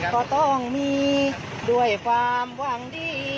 ก็ต้องมีด้วยความหวังดี